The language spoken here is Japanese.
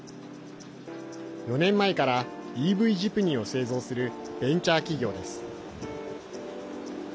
４年前からＥＶジプニーを製造するベンチャー企業です。